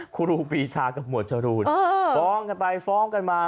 ครูปีชากับหมวดจรูนฟ้องกันไปฟ้องกันมา